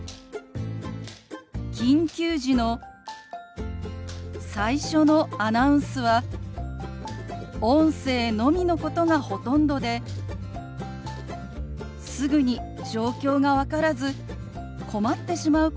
緊急時の最初のアナウンスは音声のみのことがほとんどですぐに状況が分からず困ってしまうことが実は多いんです。